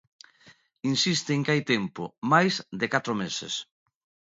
Insiste en que hai tempo, máis de catro meses.